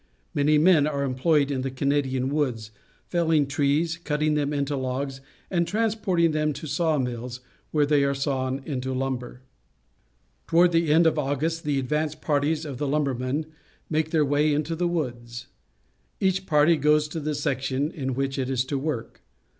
Many men are employed in the Canadian woods, felling trees, cutting them into logs, and trans porting them to saw mills, where they are sawn into lumber. Toward the end of August the advance parties of the lumbermen make their way into the woods. Each party goes to the section in which it is to work.